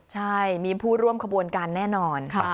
ใช่มีผู้ร่วมขบวนการแน่นอน